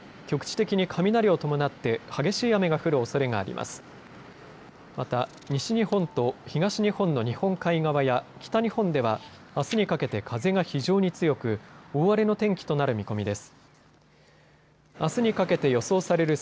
また西日本と東日本の日本海側や北日本ではあすにかけて風が非常に強く大荒れの天気となる見込みです。